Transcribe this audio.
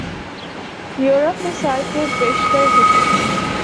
Europe میں سال کے بیشتر حصے